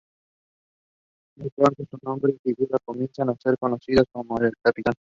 Muy pronto su nombre y figura comienza a ser conocida en la capital.